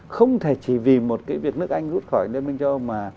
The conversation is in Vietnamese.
không thể chỉ vì một cái việc nước anh rút khỏi liên minh châu âu mà